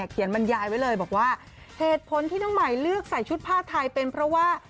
บรรยายไว้เลยบอกว่าเหตุผลที่น้องใหม่เลือกใส่ชุดผ้าไทยเป็นเพราะว่า